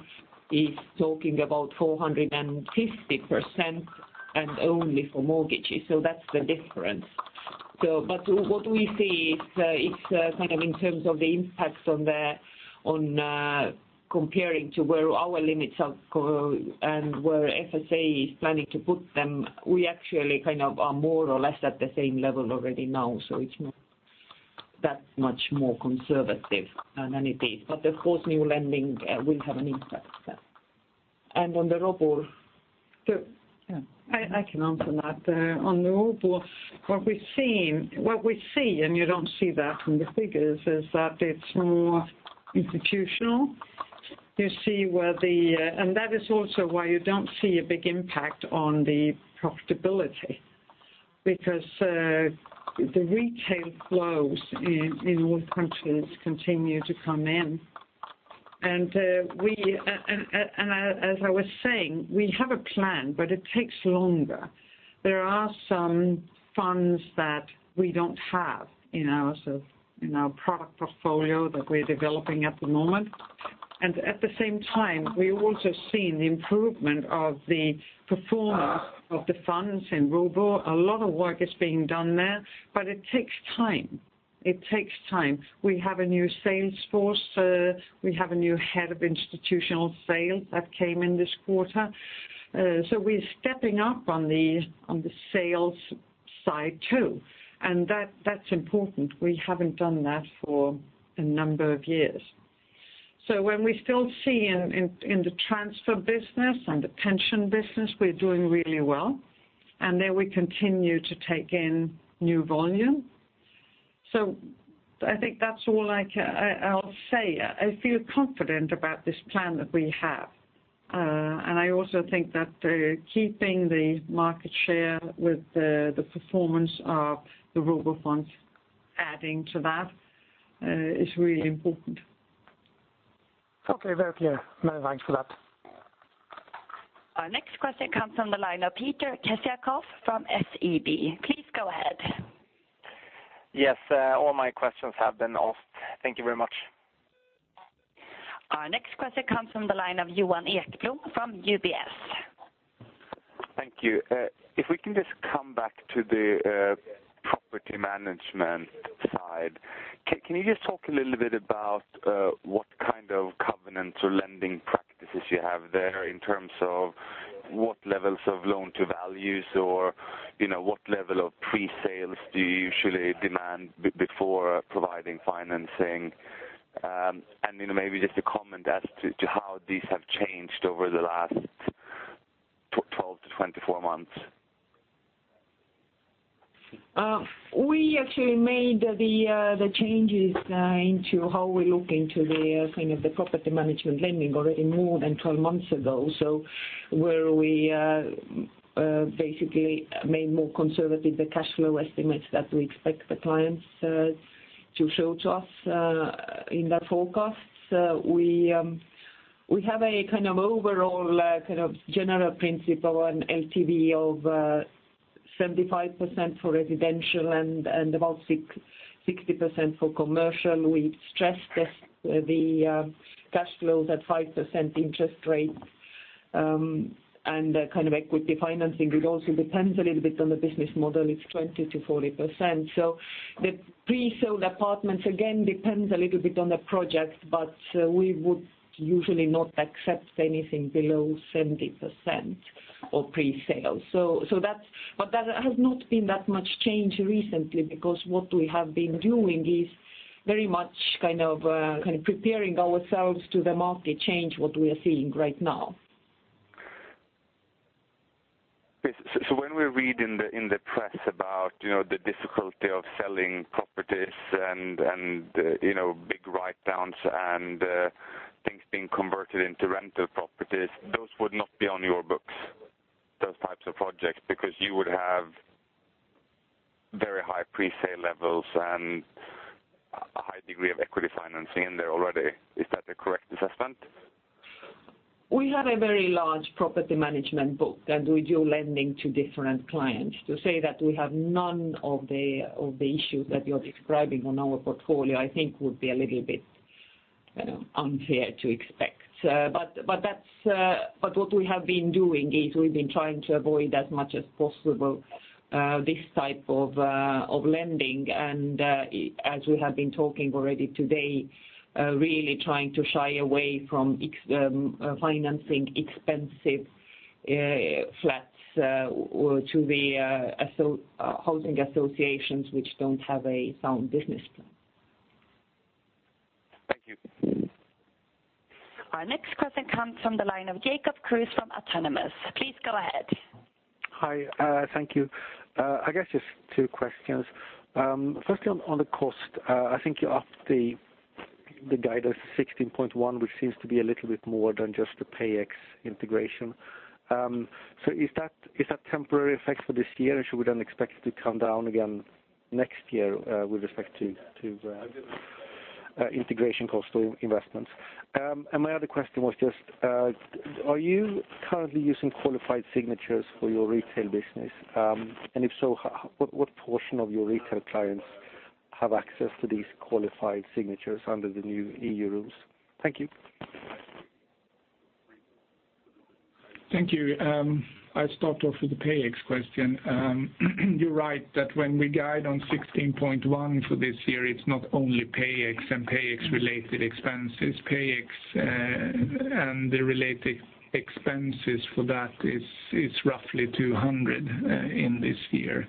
is talking about 450%, and only for mortgages. So that's the difference. But what we see is, it's kind of in terms of the impact on the, on comparing to where our limits are co- and where FSA is planning to put them, we actually kind of are more or less at the same level already now. So it's not that much more conservative than it is. But of course, new lending will have an impact. And on the Robur? So, yeah, I, I can answer that. On the Robur, what we've seen, what we see, and you don't see that from the figures, is that it's more institutional. You see where the... And that is also why you don't see a big impact on the profitability, because the retail flows in all countries continue to come in. And we, and as I was saying, we have a plan, but it takes longer. There are some funds that we don't have in our, so in our product portfolio that we're developing at the moment. And at the same time, we've also seen the improvement of the performance of the funds in Robur. A lot of work is being done there, but it takes time. It takes time. We have a new sales force. We have a new head of institutional sales that came in this quarter. So we're stepping up on the sales side, too, and that's important. We haven't done that for a number of years. So when we still see in the transfer business and the pension business, we're doing really well, and there we continue to take in new volume. So I think that's all I can say. I feel confident about this plan that we have. And I also think that keeping the market share with the performance of the Robur funds adding to that is really important. Okay, very clear. Many thanks for that. Our next question comes from the line of Peter Kessiakoff from SEB. Please go ahead. Yes, all my questions have been asked. Thank you very much. Our next question comes from the line of Johan Ekblom from UBS. Thank you. If we can just come back to the property management side, can you just talk a little bit about what kind of covenants or lending practices you have there in terms of what levels of loan-to-values or, you know, what level of pre-sales do you usually demand before providing financing? And, you know, maybe just a comment as to how these have changed over the last 12-24 months. We actually made the changes into how we look into the kind of the property management lending already more than 12 months ago. So where we basically made more conservative the cash flow estimates that we expect the clients to show to us in their forecasts. We have a kind of overall kind of general principle on LTV of 75% for residential and about 60% for commercial. We stress test the cash flows at 5% interest rate and kind of equity financing. It also depends a little bit on the business model, it's 20%-40%. So the pre-sale requirements, again, depends a little bit on the project, but we would usually not accept anything below 70% of pre-sale. So that's, but that has not been that much change recently, because what we have been doing is very much kind of kind of preparing ourselves to the market change, what we are seeing right now. Okay. So when we read in the press about, you know, the difficulty of selling properties and, you know, big writedowns and, things being converted into rental properties, those would not be on your books, those types of projects, because you would have pre-sale levels and a high degree of equity financing in there already. Is that a correct assessment? We have a very large property management book, and we do lending to different clients. To say that we have none of the issues that you're describing on our portfolio, I think would be a little bit, you know, unfair to expect. But what we have been doing is we've been trying to avoid as much as possible this type of lending. And as we have been talking already today, really trying to shy away from financing expensive flats or to the housing associations which don't have a sound business plan. Thank you. Our next question comes from the line of Jacob Kruse from Autonomous. Please go ahead. Hi, thank you. I guess just two questions. Firstly, on the cost, I think you upped the guidance to 16.1, which seems to be a little bit more than just the PayEx integration. So is that a temporary effect for this year, and should we then expect it to come down again next year with respect to integration cost or investments? And my other question was just, are you currently using qualified signatures for your retail business? And if so, what portion of your retail clients have access to these qualified signatures under the new EU rules? Thank you. Thank you. I'll start off with the PayEx question. You're right that when we guide on 16.1 for this year, it's not only PayEx and PayEx-related expenses. PayEx, and the related expenses for that is roughly 200 in this year.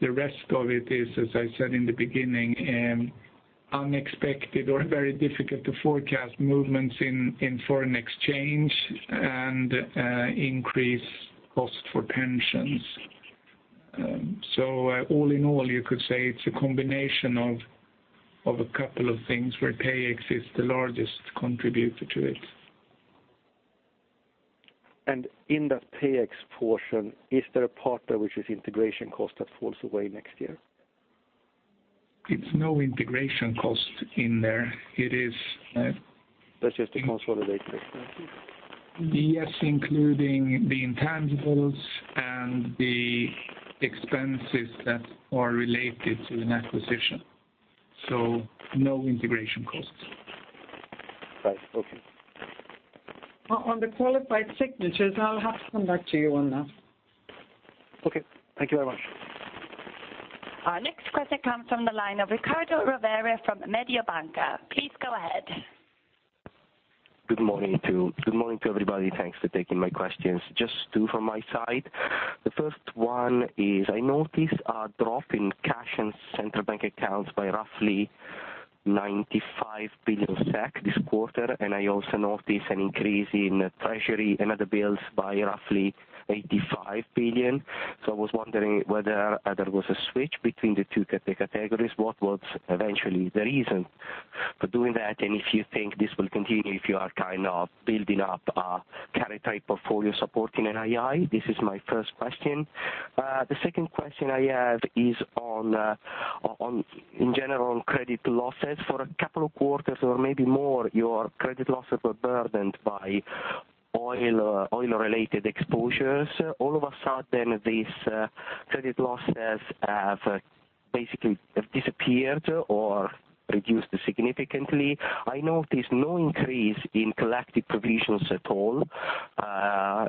The rest of it is, as I said in the beginning, unexpected or very difficult to forecast movements in foreign exchange and increased cost for pensions. So, all in all, you could say it's a combination of a couple of things where PayEx is the largest contributor to it. In that PayEx portion, is there a part there which is integration cost that falls away next year? It's no integration cost in there. It is, That's just the consolidated expenses? Yes, including the intangibles and the expenses that are related to the acquisition. So no integration costs. Right. Okay. On the qualified signatures, I'll have to come back to you on that. Okay. Thank you very much. Our next question comes from the line of Riccardo Rovere from Mediobanca. Please go ahead. Good morning to everybody. Thanks for taking my questions. Just two from my side. The first one is I noticed a drop in cash and central bank accounts by roughly 95 billion SEK this quarter, and I also noticed an increase in treasury and other bills by roughly 85 billion. So I was wondering whether there was a switch between the two categories. What was eventually the reason for doing that, and if you think this will continue, if you are kind of building up a carry type portfolio supporting NII? This is my first question. The second question I have is on, on, in general, on credit losses. For a couple of quarters or maybe more, your credit losses were burdened by oil, oil-related exposures. All of a sudden, these credit losses have basically have disappeared or reduced significantly. I noticed no increase in collective provisions at all,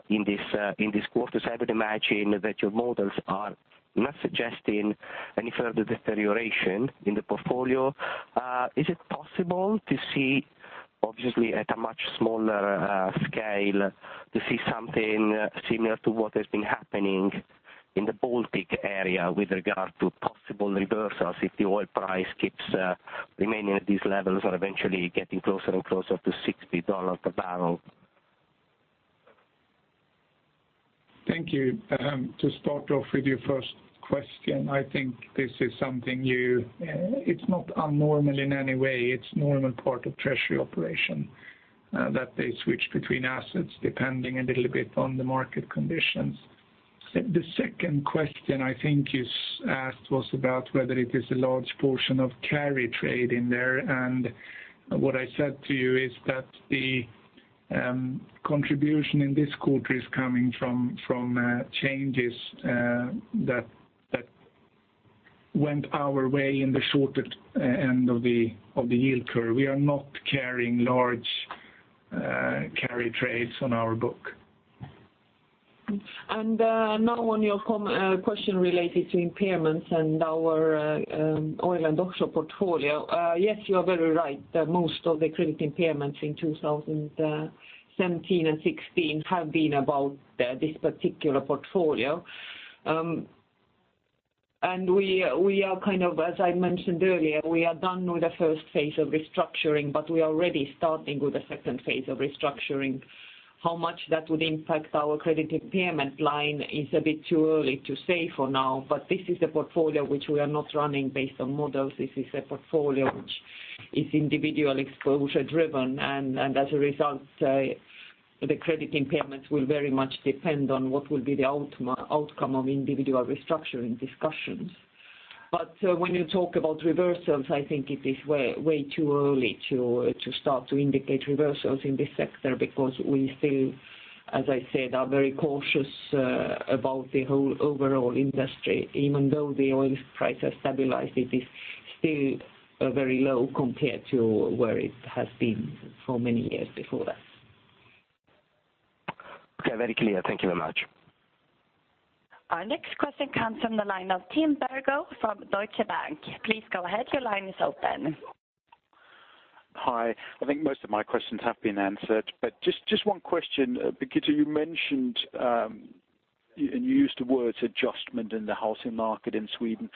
in this quarter. So I would imagine that your models are not suggesting any further deterioration in the portfolio. Is it possible to see, obviously, at a much smaller scale, to see something similar to what has been happening in the Baltic area with regard to possible reversals if the oil price keeps remaining at these levels or eventually getting closer and closer to $60 a barrel? Thank you. To start off with your first question, I think this is something you... It's not unnormal in any way. It's normal part of treasury operation that they switch between assets, depending a little bit on the market conditions. The second question I think you asked was about whether it is a large portion of carry trade in there, and what I said to you is that the contribution in this quarter is coming from changes that went our way in the shorter end of the yield curve. We are not carrying large carry trades on our book. Now on your question related to impairments and our oil and gas portfolio. Yes, you are very right, that most of the credit impairments in 2017 and 2016 have been about this particular portfolio. And we are kind of, as I mentioned earlier, we are done with the first phase of restructuring, but we are already starting with the second phase of restructuring. How much that would impact our credit impairment line is a bit too early to say for now, but this is a portfolio which we are not running based on models. This is a portfolio which is individual exposure driven, and as a result, the credit impairments will very much depend on what will be the outcome of individual restructuring discussions. But when you talk about reversals, I think it is way, way too early to start to indicate reversals in this sector, because we still, as I said, are very cautious about the whole overall industry. Even though the oil price has stabilized, it is still very low compared to where it has been for many years before that. Okay, very clear. Thank you very much. Our next question comes from the line of Tim Bergo from Deutsche Bank. Please go ahead. Your line is open. Hi. I think most of my questions have been answered, but just one question. Birgitte, you mentioned and you used the words adjustment in the housing market in Sweden.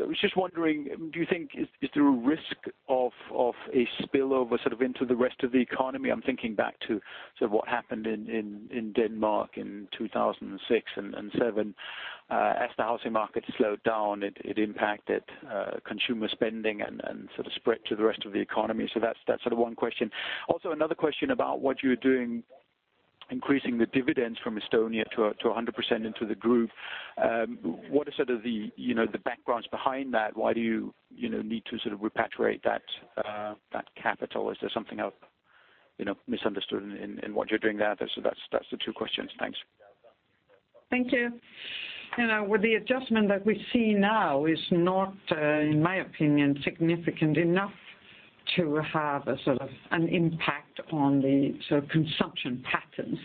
I was just wondering, do you think there is a risk of a spillover sort of into the rest of the economy? I'm thinking back to sort of what happened in Denmark in 2006 and 2007. As the housing market slowed down, it impacted consumer spending and sort of spread to the rest of the economy. So that's sort of one question. Also, another question about what you're doing, increasing the dividends from Estonia to 100% into the group. What is sort of the, you know, the backgrounds behind that? Why do you, you know, need to sort of repatriate that, that capital? Is there something else, you know, misunderstood in what you're doing there? So that's the two questions. Thanks. Thank you. You know, with the adjustment that we see now is not, in my opinion, significant enough to have a sort of an impact on the sort of consumption patterns.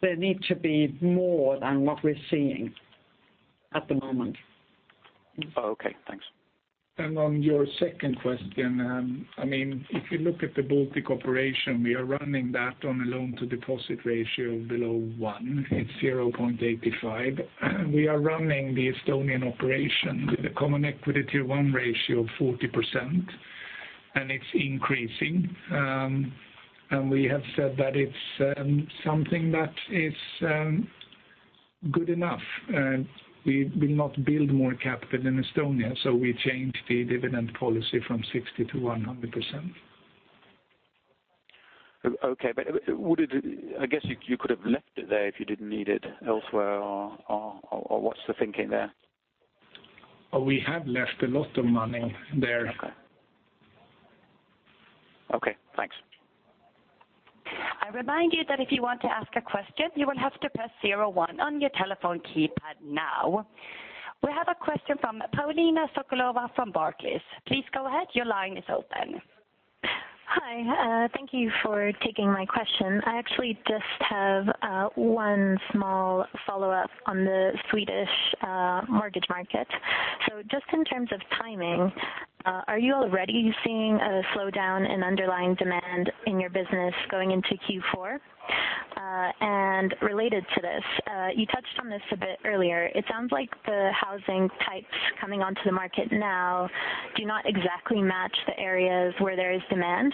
There need to be more than what we're seeing at the moment. Oh, okay, thanks. On your second question, I mean, if you look at the Baltic operation, we are running that on a loan-to-deposit ratio below 1. It's 0.85. We are running the Estonian operation with a Common Equity Tier 1 ratio of 40%, and it's increasing. And we have said that it's something that is good enough, and we will not build more capital in Estonia, so we changed the dividend policy from 60%-100%. Okay, but would it... I guess you could have left it there if you didn't need it elsewhere, or, or, or, what's the thinking there? We have left a lot of money there. Okay. Okay, thanks. I remind you that if you want to ask a question, you will have to press zero one on your telephone keypad now. We have a question from Paulina Sokolova from Barclays. Please go ahead. Your line is open. Hi, thank you for taking my question. I actually just have one small follow-up on the Swedish mortgage market. Just in terms of timing, are you already seeing a slowdown in underlying demand in your business going into Q4? And related to this, you touched on this a bit earlier. It sounds like the housing types coming onto the market now do not exactly match the areas where there is demand.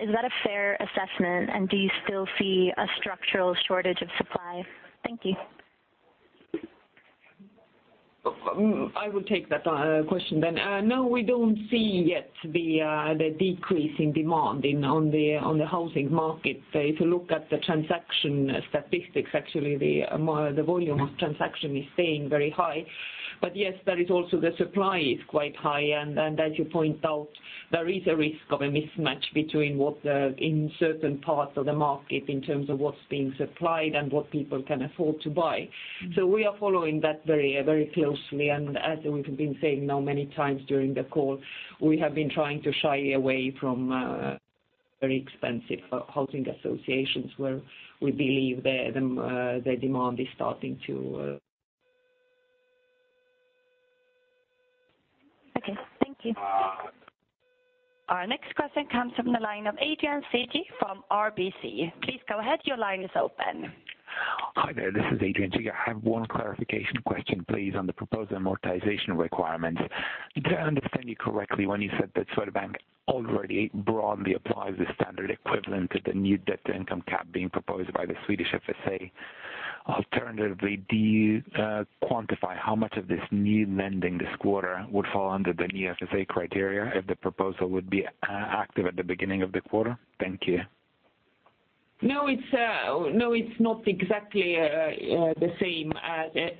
Is that a fair assessment, and do you still see a structural shortage of supply? Thank you. I will take that, question then. No, we don't see yet the, the decrease in demand in, on the, on the housing market. If you look at the transaction statistics, actually, the volume of transaction is staying very high. But yes, there is also the supply is quite high, and as you point out, there is a risk of a mismatch between what the, in certain parts of the market in terms of what's being supplied and what people can afford to buy. So we are following that very, very closely, and as we've been saying now many times during the call, we have been trying to shy away from, very expensive housing associations where we believe the, the demand is starting to, Okay. Thank you. Our next question comes from the line of Adrian Cighi from RBC. Please go ahead. Your line is open. Hi there. This is Adrian Cighi. I have one clarification question, please, on the proposed amortization requirements. Did I understand you correctly when you said that Swedbank already broadly applies the standard equivalent to the new debt-to-income cap being proposed by the Swedish FSA? Alternatively, do you quantify how much of this new lending this quarter would fall under the new FSA criteria if the proposal would be active at the beginning of the quarter? Thank you. No, it's not exactly the same as the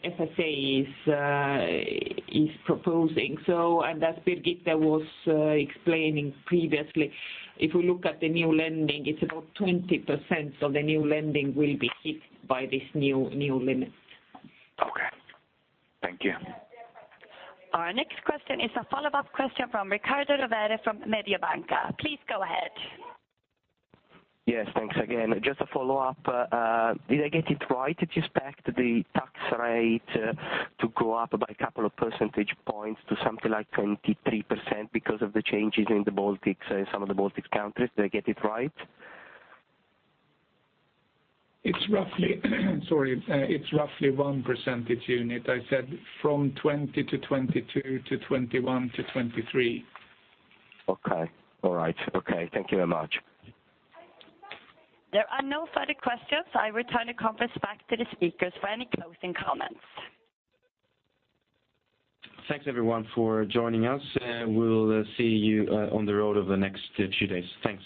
FSA is proposing. So, and as Birgitte was explaining previously, if we look at the new lending, it's about 20% of the new lending will be hit by this new limit. Okay. Thank you. Our next question is a follow-up question from Riccardo Rovere from Mediobanca. Please go ahead. Yes, thanks again. Just a follow-up. Did I get it right? Did you expect the tax rate to go up by a couple of percentage points to something like 23% because of the changes in the Baltics, some of the Baltics countries? Did I get it right? It's roughly, sorry, it's roughly one percentage unit. I said from 20-22 to 21-23. Okay. All right. Okay. Thank you very much. There are no further questions. I return the conference back to the speakers for any closing comments. Thanks, everyone, for joining us. We'll see you on the road over the next two days. Thank you.